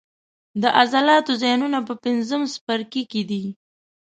د عضلاتو زیانونه په پنځم څپرکي کې دي.